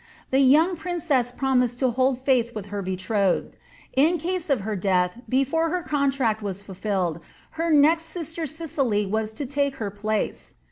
The young princess promised to hold ftuth with her betrothed ; in case of her deam before her contract was fulfilled, her next sister Cecily was to take her place.